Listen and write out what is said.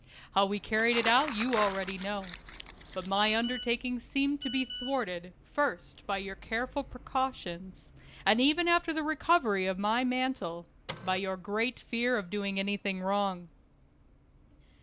How we carried it out you already know. But my undertaking seemed to be thwarted, first by your careful precautions, and even after the recovery of my mantle, by your great fear of doing any thing wrong.